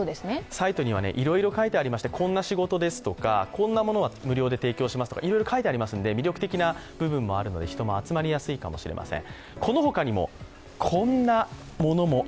サイトにはいろいろ書いてありまして、こんなものは無料で提供しますとか、いろいろ書いてありますので魅力的な部分もあるので人も集まりやすいかもしれません。